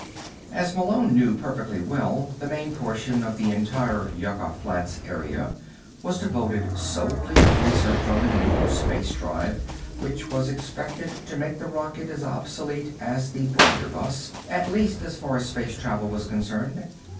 As Malone knew perfectly well, the main portion of the entire Yucca Flats area was devoted solely to research on the new space drive which was expected to make the rocket as obsolete as the blunderbuss at least as far as space travel was concerned.